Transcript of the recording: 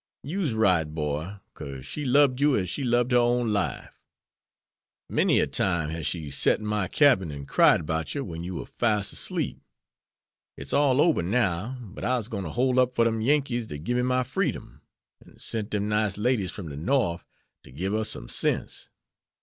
"You's right, boy, cause she lub'd you as she lub'd her own life. Many a time hes she set in my ole cabin an' cried 'bout yer wen you war fas' asleep. It's all ober now, but I'se gwine to hole up fer dem Yankees dat gib me my freedom, an' sent dem nice ladies from de Norf to gib us some sense.